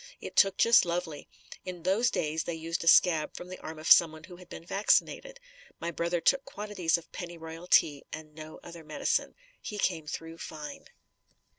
It took just lovely. In those days they used a scab from the arm of someone who had been vaccinated. My brother took quantities of penny royal tea and no other medicine. He came through fine.